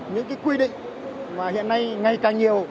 những quy định mà hiện nay ngày càng nhiều